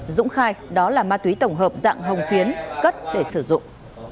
dũng khai đó là ma túy tổng hợp dạng hồng phiến cất để sử dụng